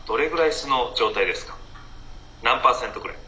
何％くらい？」。